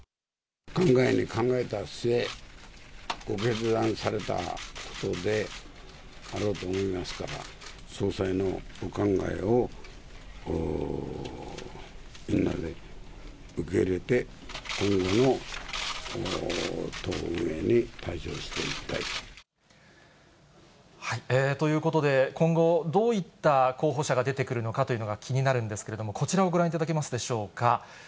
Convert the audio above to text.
考えに考えた末、ご決断されたのであろうと思いますから、総裁のお考えをみんなで受け入れて、ということで、今後、どういった候補者が出てくるのかというのが気になるんですけれども、こちらをご覧いただけますでしょうか。